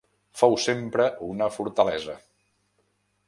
Fou sempre una fortalesa.